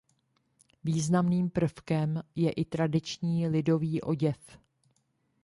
Významným prvkem je i tradiční lidový oděv.